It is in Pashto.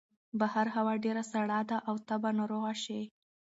بهر هوا ډېره سړه ده او ته به ناروغه شې.